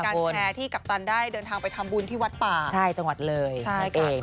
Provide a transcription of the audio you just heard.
แชร์ที่กัปตันได้เดินทางไปทำบุญที่วัดป่าใช่จังหวัดเลยใช่ค่ะ